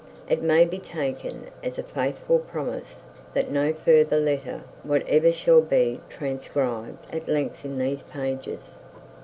It may be taken as a faithful promise that no further letter whatever shall be transcribed at length in these pages.